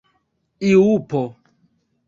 lupo